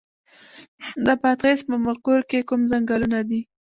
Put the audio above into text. د بادغیس په مقر کې کوم ځنګلونه دي؟